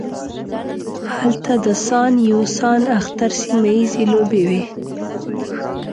هلته د سان یو سان اختر سیمه ییزې لوبې وې.